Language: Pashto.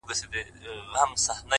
• ژوند مي هيڅ نه دى ژوند څه كـړم ـ